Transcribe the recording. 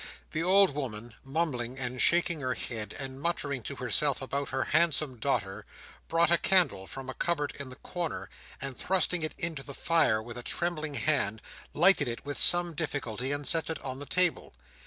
The old woman, mumbling and shaking her head, and muttering to herself about her handsome daughter, brought a candle from a cupboard in the corner, and thrusting it into the fire with a trembling hand, lighted it with some difficulty and set it on the table.